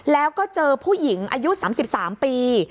แล้วก็เจอผู้หญิงอายุ๓๓ปี